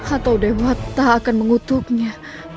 atau dewata akan mengutuknya